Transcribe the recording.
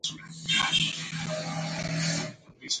Posee un clima frío, seco y ventoso.